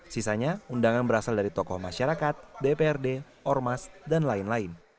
sisanya undangan berasal dari tokoh masyarakat dprd ormas dan lain lain